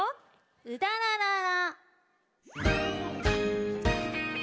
「うだららら」。